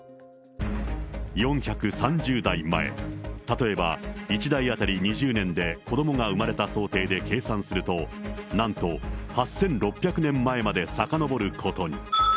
４３０代前、例えば１代当たり２０年で子どもが生まれた想定で計算すると、なんと８６００年前までさかのぼることに。